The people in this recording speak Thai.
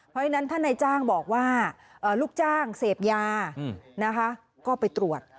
เพราะฉะนั้นท่านนายจ้างบอกว่าลูกจ้างเสพยานะคะก็ไปตรวจ